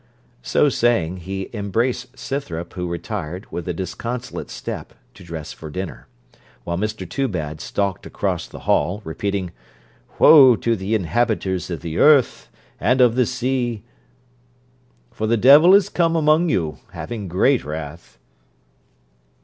So saying, he embraced Scythrop, who retired, with a disconsolate step, to dress for dinner; while Mr Toobad stalked across the hall, repeating, 'Woe to the inhabiters of the earth, and of the sea, for the devil is come among you, having great wrath.'